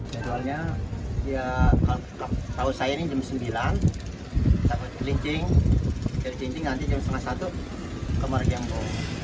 seharusnya kalau saya ini jam sembilan saya ke cilincing dari cilincing nanti jam setengah satu ke margembo